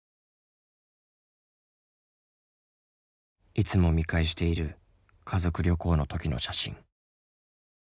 いつも見返している家族旅行の時の写真。